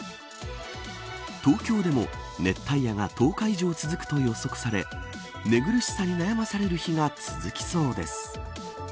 東京でも熱帯夜が１０日以上続くと予測され寝苦しさに悩まされる日々が続きそうです。